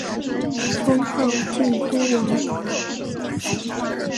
封号靖都王。